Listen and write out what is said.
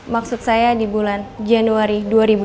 maksud saya di bulan januari dua ribu dua puluh